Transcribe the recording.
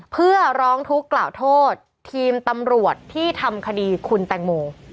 เพื่อร้องทุกข์กล่าวโทษทีมตำรวจที่ทำคดีคุณแตงโม